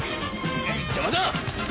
邪魔だ！